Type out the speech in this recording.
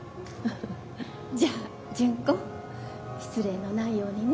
じゃあ順子失礼のないようにね。